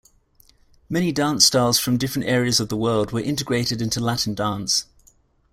Many dance styles from different areas of the world were integrated into Latin dance.